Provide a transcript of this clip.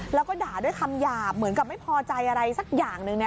แล้วก็ด่าด้วยคำหยาบเหมือนกับไม่พอใจอะไรสักอย่างหนึ่ง